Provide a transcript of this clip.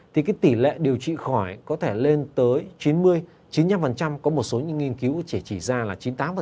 thì cái tỷ lệ điều trị khỏi có thể lên tới chín mươi chín mươi năm có một số những nghiên cứu chỉ chỉ ra là chín mươi tám